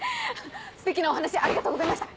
ステキなお話ありがとうございました。